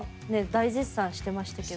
大絶賛してましたけど。